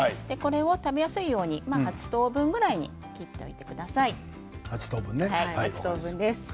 食べやすいように８等分ぐらいに切ってください。